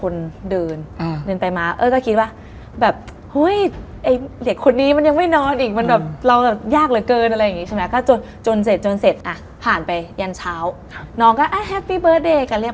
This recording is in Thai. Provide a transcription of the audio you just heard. นี่ลำพูนอยู่ตรงกลางพอดี